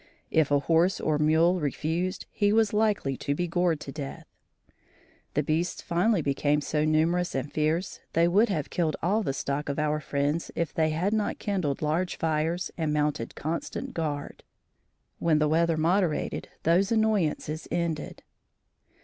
If a horse or mule refused, he was likely to be gored to death. The beasts finally became so numerous and fierce they would have killed all the stock of our friends if they had not kindled large fires and mounted constant guard. When the weather moderated those annoyances ended.